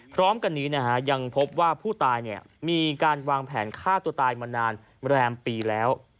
พร้อมกันนี้ยังพบว่าผู้ตายมีการวางแผนฆ่าตัวตายมานานแรมปีแล้ว